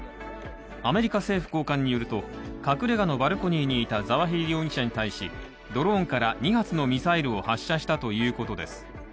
アメリカ政府高官によると、隠れ家のバルコニーにいたザワヒリ容疑者に対しドローンから２発のミサイルを発射したということです。